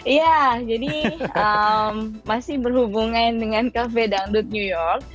iya jadi masih berhubungan dengan kafe dangdut new york